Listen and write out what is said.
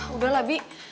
udah lah bi